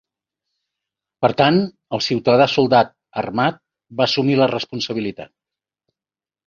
Per tant, el ciutadà-soldat armat va assumir la responsabilitat.